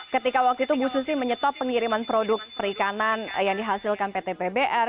ketika waktu itu bu susi menyetop pengiriman produk perikanan yang dihasilkan pt pbr